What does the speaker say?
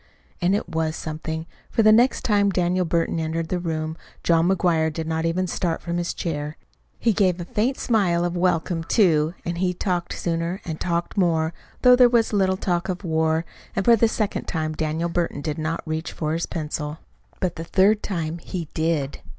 And it was something; for the next time Daniel Burton entered the room, John McGuire did not even start from his chair. He gave a faint smile of welcome, too, and he talked sooner, and talked more though there was little of war talk; and for the second time Daniel Burton did not reach for his pencil. But the third time he did.